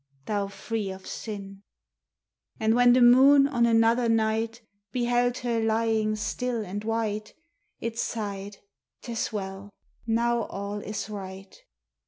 thou free of sin!" And when the moon, on another night, Beheld her lying still and white, It sighed, "'Tis well! now all is right."